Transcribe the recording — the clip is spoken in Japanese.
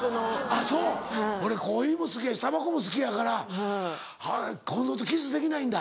あっそう俺コーヒーも好きやしたばこも好きやから近藤とキスできないんだ。